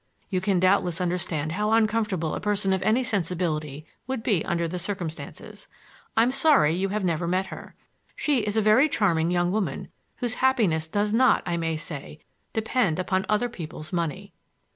You can doubtless understand how uncomfortable a person of any sensibility would be under the circumstances. I'm sorry you have never met her. She is a very charming young woman whose happiness does not, I may say, depend on other people's money."